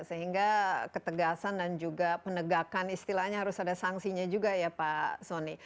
sehingga ketegasan dan juga penegakan istilahnya harus ada sanksinya juga ya pak soni